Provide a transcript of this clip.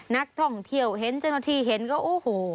นักท่องเที่ยวเห็นเจ้าหน้าที่เห็นก็โอ้โห